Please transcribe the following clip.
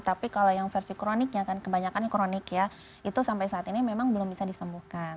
tapi kalau yang versi kroniknya kan kebanyakan yang kronik ya itu sampai saat ini memang belum bisa disembuhkan